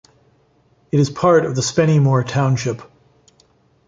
It is part of the Spennymoor township.